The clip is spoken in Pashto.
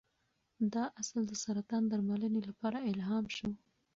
دا اصل د سرطان درملنې لپاره الهام شو.